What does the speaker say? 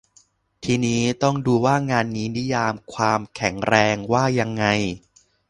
ทีนี้ต้องดูว่างานนี้นิยาม "ความแข็งแรง" ว่ายังไง